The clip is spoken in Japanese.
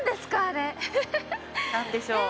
あれ何でしょう？